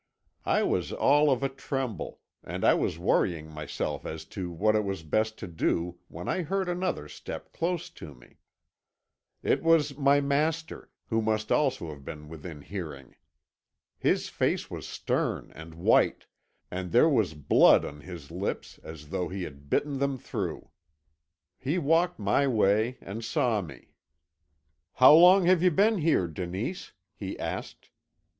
"I was all of a tremble, and I was worrying myself as to what it was best to do when I heard another step close to me. "It was my master, who must also have been within hearing. His face was stern and white, and there was blood on his lips as though he had bitten them through. "He walked my way and saw me. "'How long have you been here, Denise?' he asked.